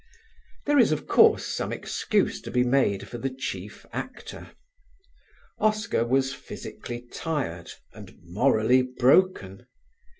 There is of course some excuse to be made for the chief actor. Oscar was physically tired and morally broken.